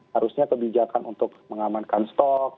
harusnya kebijakan untuk mengamankan stok kontrak batu bara jangkauan